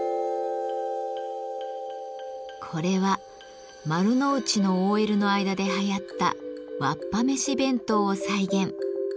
これは丸の内のＯＬの間ではやったわっぱめし弁当を再現。